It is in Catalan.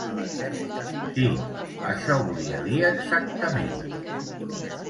Sí, això volia dir exactament.